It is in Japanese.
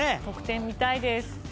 得点見たいです。